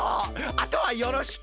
あとはよろしく。